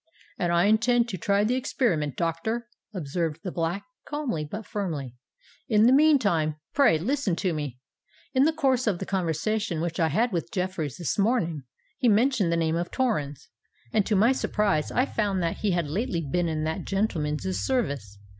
"And I intend to try the experiment, doctor," observed the Black, calmly but firmly. "In the meantime, pray listen to me. In the course of the conversation which I had with Jeffreys this morning, he mentioned the name of Torrens; and to my surprise I found that he had lately been in that gentleman's service.